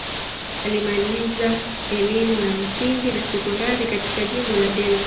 Alimaliza elimu ya msingi na sekondari katika jimbo la Delta.